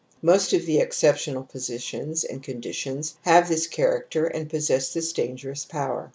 Most of the exceptional positions and conditions have this character and possess this dangerous power.